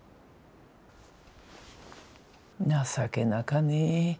情けなかね。